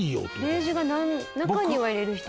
ベージュは中には入れる人も。